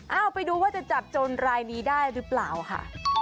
เอาไปดูว่าจะจับโจรรายนี้ได้หรือเปล่าค่ะ